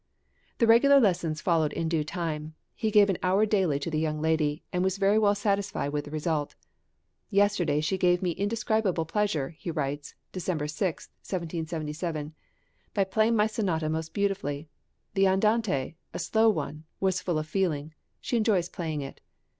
The regular lessons followed in due time; he gave an hour daily to the young lady, and was very well satisfied with the result. "Yesterday she gave me indescribable pleasure," he writes (December 6,1777), "by playing my sonata most beautifully. The andante (a slow one) was full of feeling; she enjoys playing it."